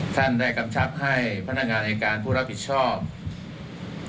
ท่านได้กำชับให้พนักงานอายการพุทธภิษภาพ